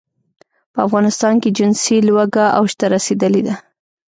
په افغانستان کې جنسي لوږه اوج ته رسېدلې ده.